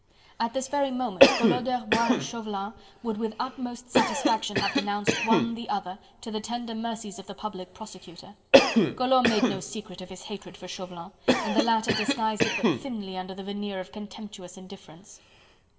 At this very moment Collot d'Herbois and Chauvelin would with utmost satisfaction have denounced, one the other, to the tender mercies of the Public Prosecutor. Collot made no secret of his hatred for Chauvelin, and the latter disguised it but thinly under the veneer of contemptuous indifference.